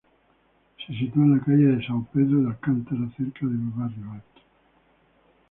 Se sitúa en la Calle de São Pedro de Alcântara, cerca del Barrio Alto.